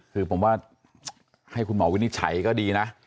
คือผมว่าให้คุณหมอวินิจฉัยก็ดีนะ